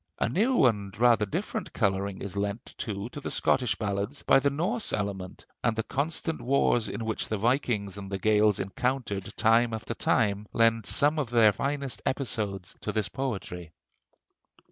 A new and rather different coloring is lent, too, to the Scottish ballads by the Norse element, and the constant wars in which the Vikings and the Gaels encountered time after time lend some of their finest episodes to this poetry.